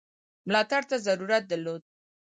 ملاتړ ته ضرورت درلود.